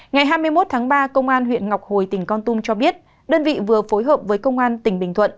ngày hai mươi một tháng ba công an huyện ngọc hồi tỉnh con tum cho biết đơn vị vừa phối hợp với công an tỉnh bình thuận